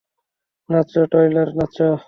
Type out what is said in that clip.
নাচো Tyler, নাচো!